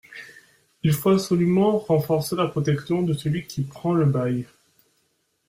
Il faut absolument renforcer la protection de celui qui prend le bail.